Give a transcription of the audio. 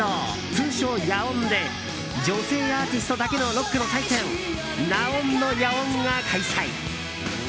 通称・野音で女性アーティストだけのロックの祭典「ＮＡＯＮのＹＡＯＮ」が開催。